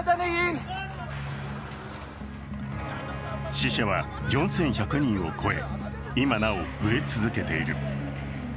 死者は４１００人を超え今なお増え続けている。